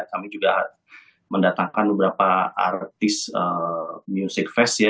kami juga mendatangkan beberapa artis music fest ya